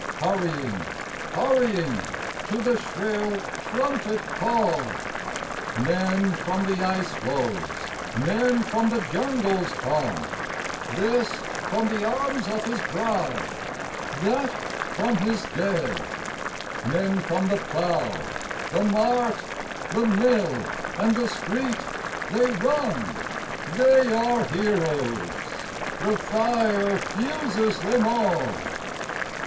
Hurrying, hurrying to the shrill trumpet call. Men from the ice floes, men from the jungles come ; This from the arms of his bride, that from his dead. THE CALL 13 Men from the plough, the mart, the mill and the street They run : they are heroes : the fire fuses them all.